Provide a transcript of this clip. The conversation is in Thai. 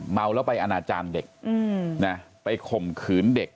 เมาแล้วไปอนาจารย์เด็กไปข่มขืนเด็ก